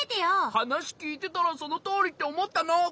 はなしきいてたらそのとおりっておもったの！